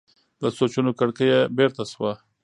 د سوچونو کړکۍ یې بېرته شوه.